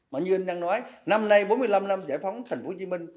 mà như anh đang nói năm nay bốn mươi năm năm giải phóng thành phố hồ chí minh